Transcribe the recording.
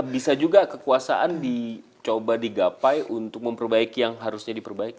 bisa juga kekuasaan dicoba digapai untuk memperbaiki yang harusnya diperbaiki